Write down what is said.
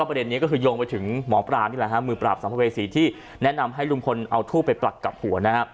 ประเด็นนี้ก็คือยงไปถึงหมอปราณมือปราบสัมภเวษีที่แนะนำให้ลุงพลเอาทู่ไปปรักกับหัว